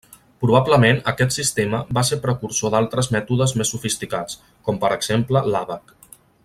Probablement aquest sistema va ser precursor d'altres mètodes més sofisticats, com per exemple l'àbac.